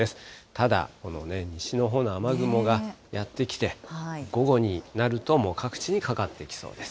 ただ、この、西のほうの雨雲がやって来て、午後になると、もう各地にかかってきそうです。